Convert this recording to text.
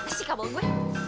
masih kabaul gue